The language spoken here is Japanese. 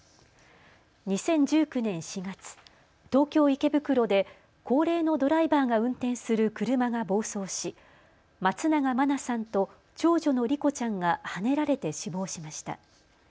２０１９年４月、東京池袋で高齢のドライバーが運転する車が暴走し松永真菜さんと長女の莉子ちゃんがはねられて死亡しました。